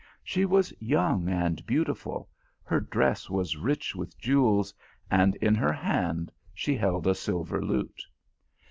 She was young and beautiful ; her dress was rich with 234 THE ALHAMBRA. jewels, and in her hand she held a silver lute.